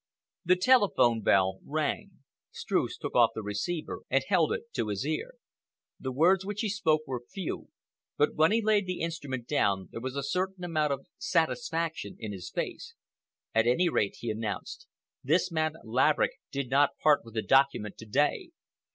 The telephone bell rang. Streuss took off the receiver and held it to his ear. The words which he spoke were few, but when he laid the instrument down there was a certain amount of satisfaction in his face. "At any rate," he announced, "this man Laverick did not part with the document to day.